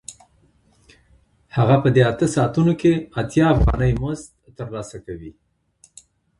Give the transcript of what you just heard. هغه په دې اته ساعتونو کې اتیا افغانۍ مزد ترلاسه کوي